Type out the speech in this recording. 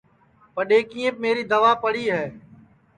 پڈؔؔیکِیئیپ میری دوا پڑی ہے